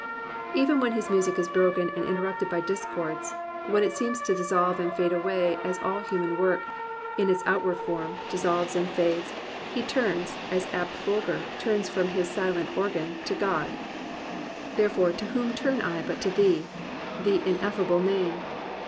Even when his music is broken and interrupted by discords, when it seems to dissolve and fade away as all human work, in its outward form, dissolves 276 GLORY OF THE IMPERFECT and fades, he turns, as Abt Vogler turns from his silent organ, to God; Therefore to whom turn I but to thee, the ineffable Name?